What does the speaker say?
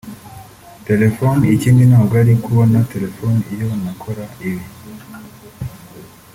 telefone ikindi ntabwo nari kubona telefone iyo ntakora ibi